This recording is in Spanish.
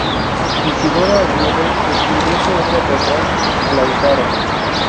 Isidora Aguirre escribió su obra teatral "¡Lautaro!